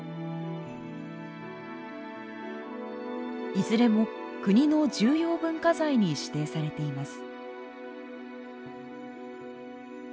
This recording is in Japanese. いずれも国の重要文化財に指定されています。